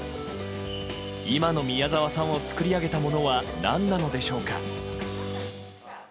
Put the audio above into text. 今の宮沢さんを作り上げたものは何なのでしょうか。